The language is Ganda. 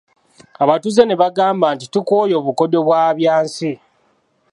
Abatuuze ne bagamba nti, tukooye obukodyo bwa Byansi.